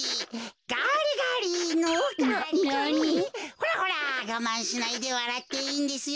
ほらほらがまんしないでわらっていいんですよ。